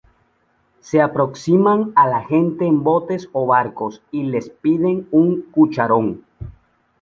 Se aproximan a la gente en botes o barcos y les piden un cucharón.